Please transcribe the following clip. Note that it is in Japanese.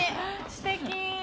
すてき。